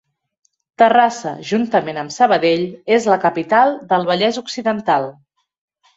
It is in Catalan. Terrassa, juntament amb Sabadell, és la capital del Vallès Occidental.